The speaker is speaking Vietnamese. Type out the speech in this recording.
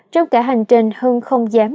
trong cả hành trình hương không dám